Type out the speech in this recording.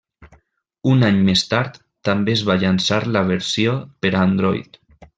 Un any més tard, també es va llançar la versió per Androide.